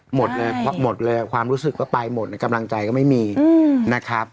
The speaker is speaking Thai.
หมดเลยความรู้สึกก็ไปหมดในกำลังใจก็ไม่นี่นะครับ